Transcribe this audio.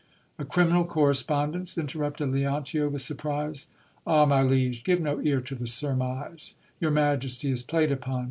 A criminal correspondence ! inter rupted Leontio, with surprise. Ah ! my liege, give no ear to the surmise. Your majesty is played upon.